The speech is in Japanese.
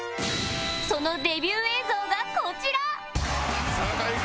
そのデビュー映像がこちら！